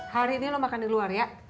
hari ini lo makan di luar ya